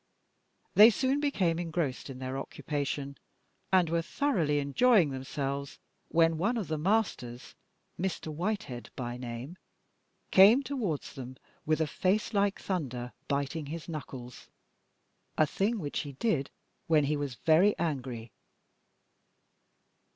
They soon became engrossed in their occupation, and were thoroughly enjoying themselves, when one of the masters, Mr. Whitehead by name, came towards them with a face like thunder, biting his knuckles, a thing which he did when he was very angry.